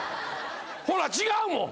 ほら違うもん！